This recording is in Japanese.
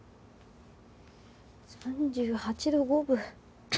３８度５分？